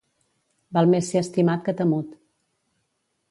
Val més ser estimat que temut.